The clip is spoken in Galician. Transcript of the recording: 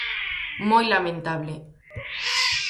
Moi lamentable.